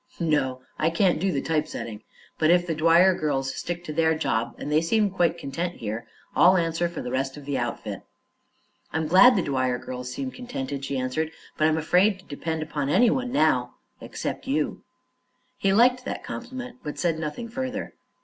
"No; I can't do the typesetting. But if the Dwyer girls stick to their job and they seem quite contented here I'll answer for the rest of the outfit." "I'm glad the Dwyer girls seem contented," she answered; "but I'm afraid to depend upon anyone now except you." He liked that compliment, but said nothing further.